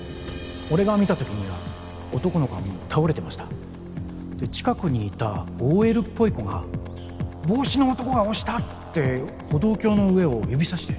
俺が見たときには男の子はで近くにいたＯＬっぽい子が帽子の男が押したって歩道橋の上を指さして。